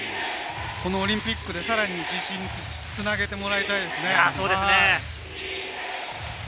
このオリンピックで、さらに自信につなげてほしいですね。